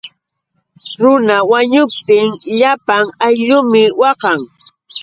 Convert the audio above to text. Runa wañuptin llapan ayllunmi waqan.